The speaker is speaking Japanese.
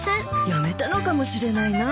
やめたのかもしれないな